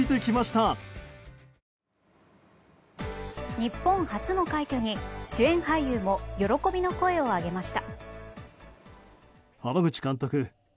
日本初の快挙に主演俳優も喜びの声を上げました。